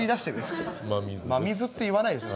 真水って言わないでしょ。